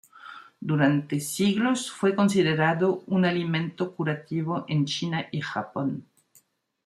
Durante siglos fue considerado un alimento curativo en China y Japón.